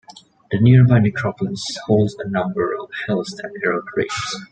The nearby necropolis holds a number of Hallstatt era graves.